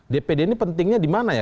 dpd ini pentingnya di mana ya